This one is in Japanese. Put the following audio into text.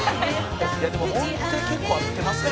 「でも音程結構合ってますよ」